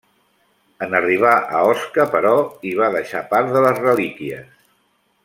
En arribar a Osca, però, hi va deixar part de les relíquies.